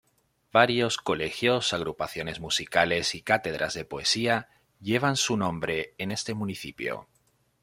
Varios colegios, agrupaciones musicales y cátedras de poesía, llevan su nombre en este Municipio.